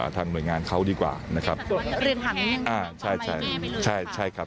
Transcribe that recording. ทำไมถึงเป็นคุณเต้หรือคะ